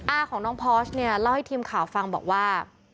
อาของน้องพอสเนี่ยเล่าให้ทีมข่าวฟังบอกว่า